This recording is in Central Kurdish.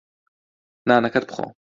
نانەکەت بخۆ.